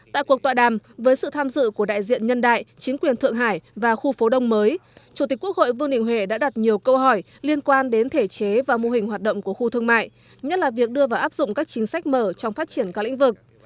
tại cuộc tọa đàm với sự tham dự của đại diện nhân đại chính quyền thượng hải và khu phố đông mới chủ tịch quốc hội vương đình huệ đã đặt nhiều câu hỏi liên quan đến thể chế và mô hình hoạt động của khu thương mại nhất là việc đưa vào áp dụng các chính sách mở trong phát triển các lĩnh vực